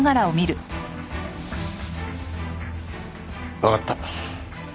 わかった。